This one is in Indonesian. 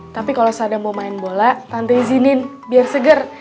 tapi kalau seandai mau main bola tante izinin biar seger